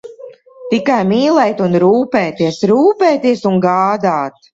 Tikai mīlēt un rūpēties, rūpēties un gādāt.